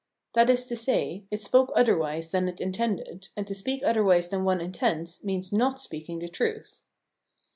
That is to say, it spoke otherwise than it intended, and to speak otherwise than one intends means not speaking the truth.